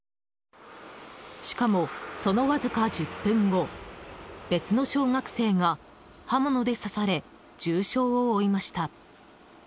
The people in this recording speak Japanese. しかも、そのわずか１０分後別の小学生が刃物で刺され重傷を負いました。